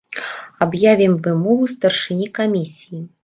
Аб'явім вымову старшыні камісіі.